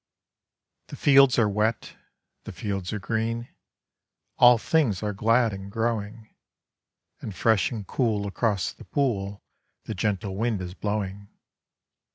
The fields are wet, the fields are green, All things are glad and growing, And fresh and cool across the pool The gentle wind is blowing.